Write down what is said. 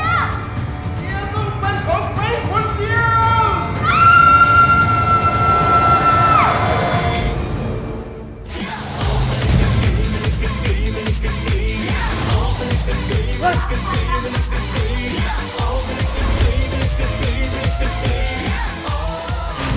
เตียต้องเป็นของแฟนคุณเดียว